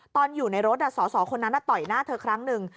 ตอนอยู่ในรถสอสอคนนั้นต่อยหน้าเธอครั้งหนึ่ง